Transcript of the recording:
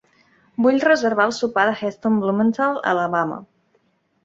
Vull reservar el sopar de Heston Blumenthal a Alabama.